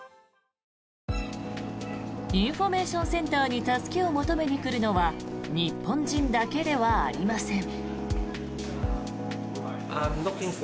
インフォメーションセンターに助けを求めに来るのは日本人だけではありません。